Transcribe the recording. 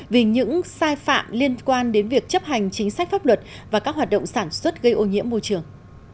vì những sai phạm liên quan đến việc chấp hành chính sách pháp luật và các hoạt động sản xuất gây ô nhiễm môi trường